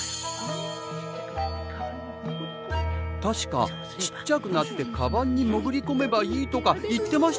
確かちっちゃくなってかばんにもぐりこめばいいとか言ってましたニャ。